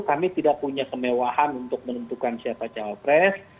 kami tidak punya kemewahan untuk menentukan siapa cawapres